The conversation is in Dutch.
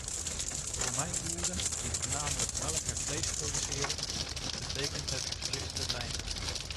Voor mijn boeren, die voornamelijk melk en vlees produceren, betekent het beslist het einde.